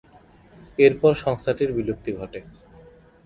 এরপর সংস্থাটির বিলুপ্তি ঘটে।